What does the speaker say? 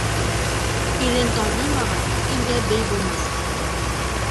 Илен танымаған илгә бей булмаҫ.